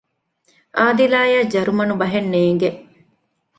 އާދިލާއަށް ޖަރުމަނު ބަހެއް ނޭނގެ